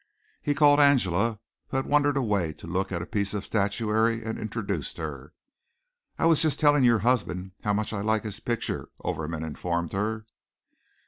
He called Angela, who had wandered away to look at a piece of statuary, and introduced her. "I was just telling your husband how much I like his picture," Overman informed her.